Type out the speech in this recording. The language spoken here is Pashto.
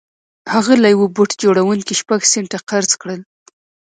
هغه له يوه بوټ جوړوونکي شپږ سنټه قرض کړل.